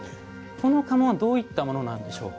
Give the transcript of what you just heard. この家紋はどういったものなんでしょうか？